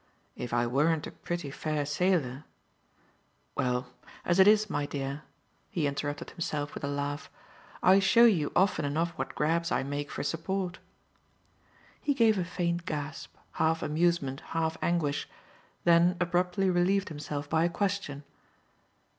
If I weren't a pretty fair sailor well, as it is, my dear," he interrupted himself with a laugh, "I show you often enough what grabs I make for support." He gave a faint gasp, half amusement, half anguish, then abruptly relieved himself by a question.